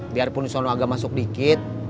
biarpun sono agak masuk dikit